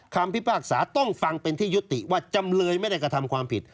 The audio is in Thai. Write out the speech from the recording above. พิพากษาต้องฟังเป็นที่ยุติว่าจำเลยไม่ได้กระทำความผิด